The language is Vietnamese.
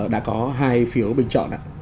đã có hai phiếu bình chọn ạ